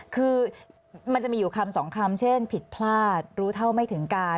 คือมันจะมีอยู่คำสองคำเช่นผิดพลาดรู้เท่าไม่ถึงการ